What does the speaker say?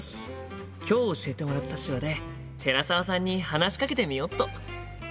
今日教えてもらった手話で寺澤さんに話しかけてみよっと！